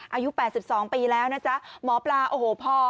อายุ๘๒ปีแล้วนะจ๊ะหมอปลาโอ้โหพอ